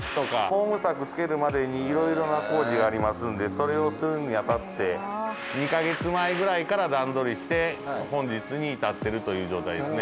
ホーム柵つけるまでにいろいろな工事がありますのでそれをするに当たって２カ月前ぐらいから段取りして本日に至ってるという状態ですね。